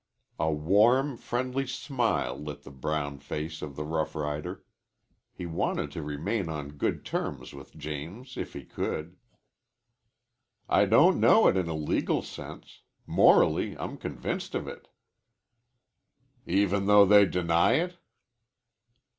A warm, friendly smile lit the brown face of the rough rider. He wanted to remain on good terms with James if he could. "I don't know it in a legal sense. Morally, I'm convinced of it." "Even though they deny it."